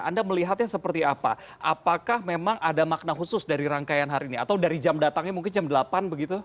anda melihatnya seperti apa apakah memang ada makna khusus dari rangkaian hari ini atau dari jam datangnya mungkin jam delapan begitu